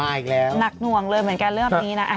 อีกแล้วหนักหน่วงเลยเหมือนกันเรื่องนี้นะ